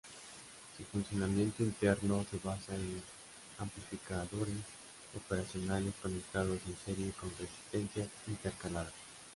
Su funcionamiento interno se basa en amplificadores operacionales conectados en serie con resistencias intercaladas.